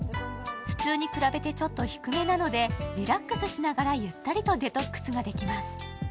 普通に比べて、ちょっと低めなのでリラックスしながら、ゆったりとデトックスができます。